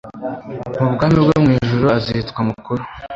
mu bwami bwo mu ijuru azitwa mukuru